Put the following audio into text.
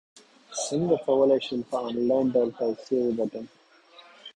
څنګه کولی شم په انلاین ډول پیسې وګټم